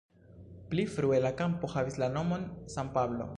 Pli frue la kampo havis la nomon "San Pablo".